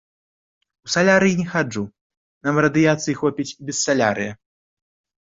У салярый не хаджу, нам радыяцыі хопіць і без салярыя.